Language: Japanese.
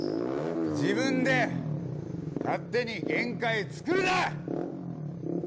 自分で勝手に限界作るな。